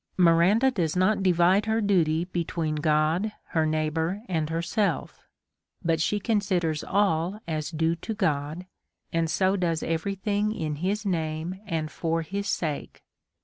Miranda does not divide her duty between God, her neighbour, and herself; but she considers all as due to God, and so does every thing in his name, and for his sake.